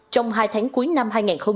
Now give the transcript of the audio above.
trong hai tháng cuối năm hai nghìn hai mươi